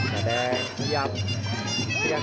สัตว์แดงพยับ